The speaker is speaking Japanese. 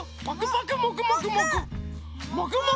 もくもくもくもく。